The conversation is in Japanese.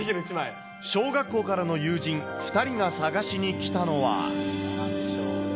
小学校からの友人２人が探しにきたのは。